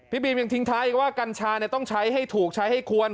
บีมยังทิ้งท้ายอีกว่ากัญชาต้องใช้ให้ถูกใช้ให้ควร